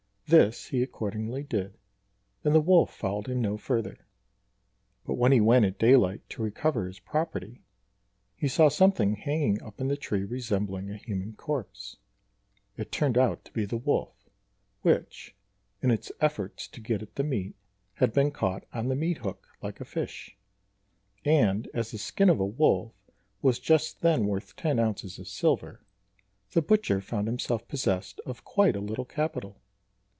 This he accordingly did, and the wolf followed him no further; but when he went at daylight to recover his property, he saw something hanging up in the tree resembling a human corpse. It turned out to be the wolf, which, in its efforts to get at the meat, had been caught on the meat hook like a fish; and as the skin of a wolf was just then worth ten ounces of silver, the butcher found himself possessed of quite a little capital.